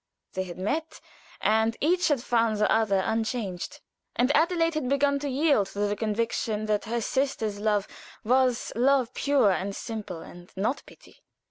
They had met, and each had found the other unchanged; and Adelaide had begun to yield to the conviction that her sister's love was love, pure and simple, and not pity.